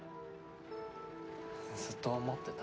ずっと思ってた。